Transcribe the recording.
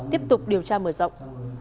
tiếp tục điều tra mở rộng